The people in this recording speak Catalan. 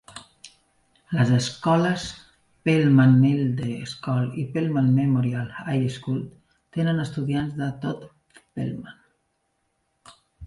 Les escoles Pelham Middle School i Pelham Memorial High School tenen estudiants de tot Pelham.